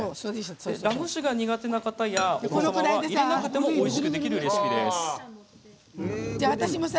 ラム酒が苦手な方やお子様は入れなくてもおいしくできるレシピです。